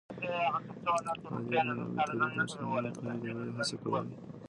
علي بن ابي طالب د مسلمانانو ترمنځ د یووالي هڅه کوله.